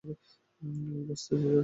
আমি বাঁচতে চাই, স্যার?